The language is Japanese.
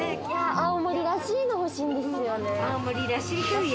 青森らしいのほしいんですよね